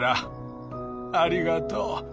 ありがとう。